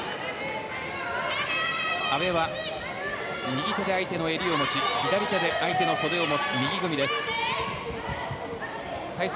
阿部は右手で相手の襟を持ち左手で相手の袖を持つ右組みです。